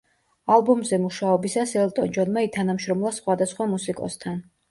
ალბომზე მუშაობისას ელტონ ჯონმა ითანამშრომლა სხვადასხვა მუსიკოსთან.